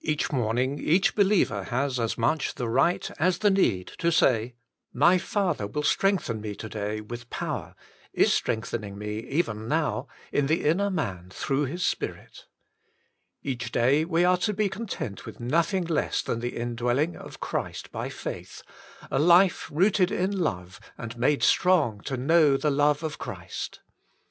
Each morning each believer has as much the right as the need to say: My Father will strengthen me to day with power, is strengthening me even now, in the inner man through His Spirit. Each day we are to be con 142 The Holy Trinity 143 tent with nothing less than the indwelling of Christ by faith, a life rooted in love, and made strong to know the love of Christ.